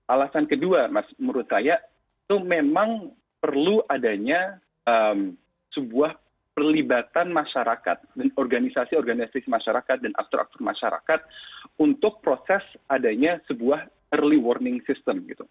alasan kedua menurut saya itu memang perlu adanya sebuah perlibatan masyarakat dan organisasi organisasi masyarakat dan aktor aktor masyarakat untuk proses adanya sebuah early warning system gitu